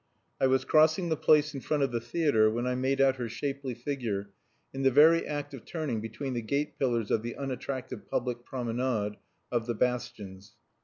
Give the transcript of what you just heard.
I was crossing the place in front of the theatre when I made out her shapely figure in the very act of turning between the gate pillars of the unattractive public promenade of the Bastions.